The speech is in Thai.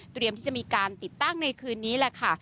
ที่จะมีการติดตั้งในคืนนี้แหละค่ะ